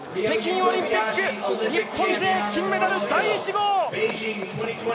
北京オリンピック日本勢金メダル第１号！